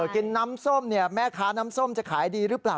กินน้ำส้มแม่ค้าน้ำส้มจะขายดีหรือเปล่า